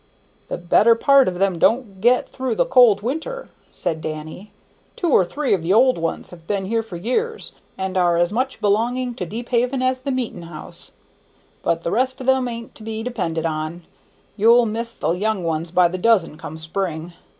"The better part of them don't get through the cold weather," said Danny. "Two or three of the old ones have been here for years, and are as much belonging to Deephaven as the meetin' house; but the rest of them an't to be depended on. You'll miss the young ones by the dozen, come spring.